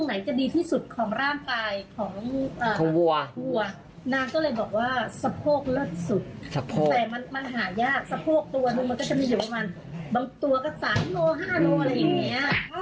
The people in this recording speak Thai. สะโพกเลิศสุดแต่มันหายากสะโพกตัวนึงมันก็จะไม่เห็นว่ามันบางตัวก็๓๕กิโลเมตรอะไรอย่างเนี่ย